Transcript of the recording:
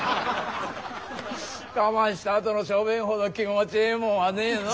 我慢したあとの小便ほど気持ちええもんはねえのう。